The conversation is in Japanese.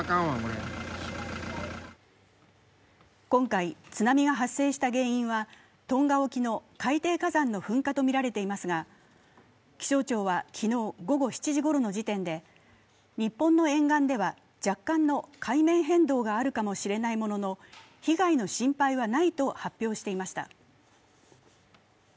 今回、津波が発生した原因はトンガ沖の海底火山の噴火とみられていますが気象庁は昨日午後７時ごろの時点で日本の沿岸では若干の海面変動があるかもしれないものの、被害の心配はないと発表していました。